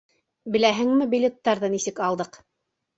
Беләһеңме билеттарҙы нисек алдыҡ?